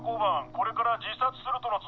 これから自殺するとの通報。